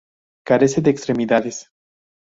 Carece de extremidades.